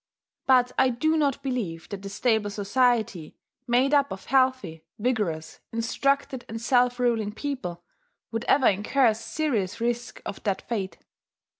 But I do not believe that a stable society, made up of healthy, vigorous, instructed, and self ruling people would ever incur serious risk of that fate.